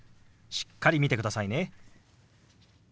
しっかり見てくださいね。